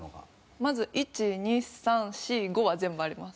まず１２３４５は全部あります。